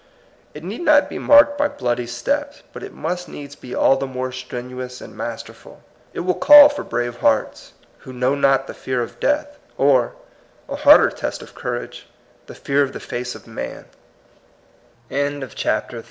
It need not be marked by bloody steps, but it must needs be all the more strenuous and masterful. It will call for brave hearts, who know not the fear of death, or — a harder test of courage — the fear of